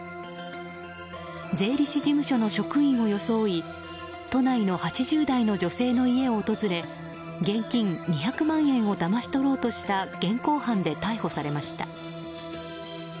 税理士事務所の職員を装い都内の８０代の女性の家を訪れ現金２００万円をだまし取ろうとした現行犯で逮捕されました。